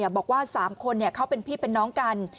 บอกว่า๓คนเขาเป็นพี่เป็นน้องกัน